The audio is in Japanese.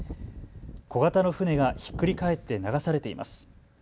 小型の船がひっくり返って流されています。